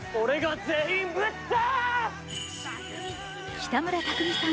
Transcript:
北村匠海さん